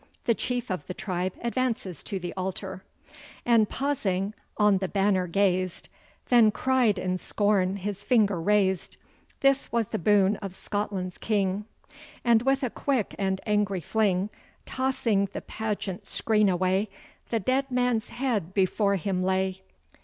The Chief of the tribe advances to the altar: And pausing, on the banner gazed; Then cried in scorn, his finger raised, "This was the boon of Scotland's king;" And, with a quick and angry fling, Tossing the pageant screen away, The dead man's head before him lay.